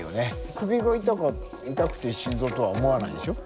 首が痛くて心臓とは思わないでしょ。